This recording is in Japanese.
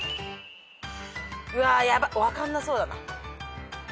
うわヤバ分かんなそうだな。